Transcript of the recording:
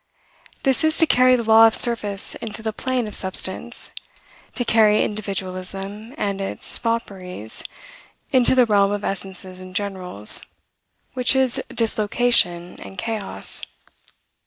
This is to carry the law of surface into the plane of substance, to carry individualism and its fopperies into the realm of essences and generals, which is dislocation and chaos.